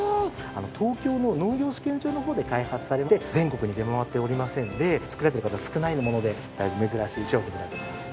東京の農業試験場の方で開発されて全国に出回っておりませんので作られてる方少ないものでだいぶ珍しい商品になります。